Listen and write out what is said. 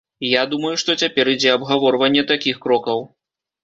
Я думаю, што цяпер ідзе абгаворванне такіх крокаў.